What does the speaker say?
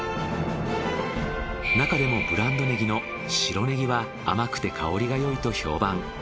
中でもブランドネギの白ネギは甘くて香りがよいと評判。